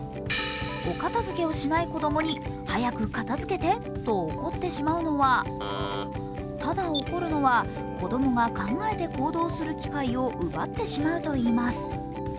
お片づけをしない子どもに、早く片づけてと怒ってしまうのは、ただ怒るのは子供が考えて行動する機会を奪ってしまうといいます。